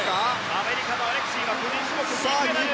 アメリカのアレクシーは個人種目金メダル。